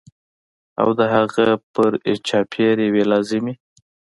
او د هغه پر چاپېر یوې لازمي